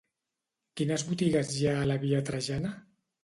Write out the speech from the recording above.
Quines botigues hi ha a la via Trajana?